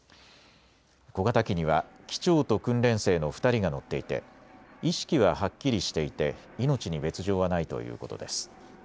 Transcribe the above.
小型機には機長と訓練生の２人が乗っていて意識ははっきりしていて命に別状はないということです。